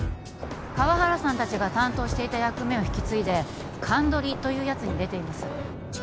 河原さん達が担当していた役目を引き継いで「鑑どり」というやつに出ています